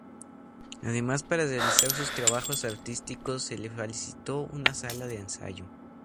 Además, para realizar sus trabajos artísticos se le facilitó una sala de ensayo.